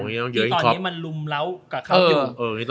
ดีตอนนี้มันลุมแล้วก็เงียบ